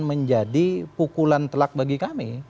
menjadi pukulan telak bagi kami